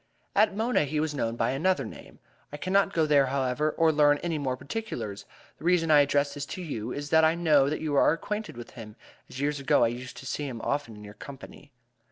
"At Mona he was known by another name. I cannot go there, however, or learn any more particulars. The reason I address this to you is that I know that you are acquainted with him, as years ago I used to see him often in your company.